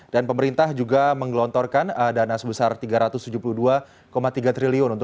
dan pemerintah juga menggelontorkan dana sebesar tiga ratus tujuh puluh dua tiga triliun